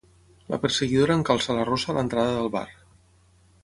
La perseguidora encalça la rossa a l'entrada del bar.